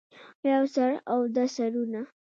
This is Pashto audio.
يو سر او دوه سرونه